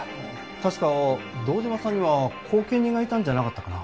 確か堂島さんには後見人がいたんじゃなかったかな。